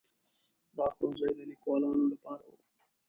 دا ښوونځي د لیکوالانو لپاره وو.